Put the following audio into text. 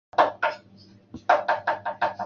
平江县是越南海阳省下辖的一个县。